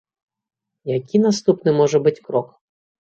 Які наступны можа быць крок?